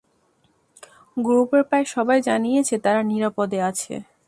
গ্রুপের প্রায় সবাই জানিয়েছে তারা নিরাপদে আছে।